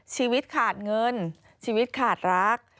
ชีวิตขาดเงินชีวิตขาดรัก